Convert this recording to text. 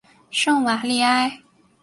圣瓦利埃。